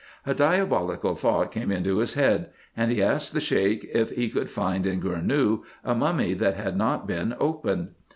A diabolical thought came into his head ; and he asked the Sheik if he could find in Gournou a mummy that had not been opened.